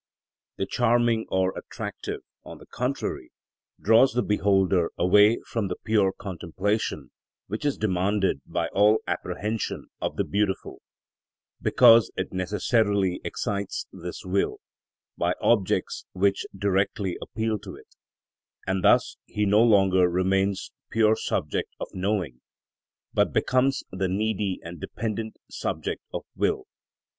The charming or attractive, on the contrary, draws the beholder away from the pure contemplation which is demanded by all apprehension of the beautiful, because it necessarily excites this will, by objects which directly appeal to it, and thus he no longer remains pure subject of knowing, but becomes the needy and dependent subject of will.